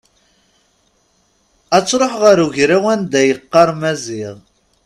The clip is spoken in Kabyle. Ad truḥ ɣer ugraw anda yeɣɣar Maziɣ.